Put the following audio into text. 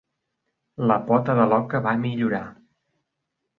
La pota de l'oca va millorar.